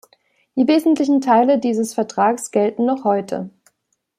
Die wesentlichen Teile dieses Vertrags gelten noch heute.